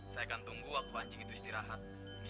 saya akan tunggu waktu anjing itu istirahat